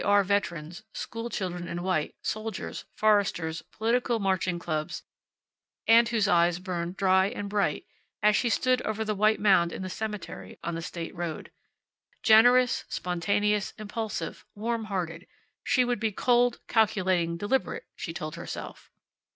R. veterans, school children in white, soldiers, Foresters, political marching clubs; and whose eyes burned dry and bright as she stood over the white mound in the cemetery on the state road. Generous, spontaneous, impulsive, warm hearted, she would be cold, calculating, deliberate, she told herself.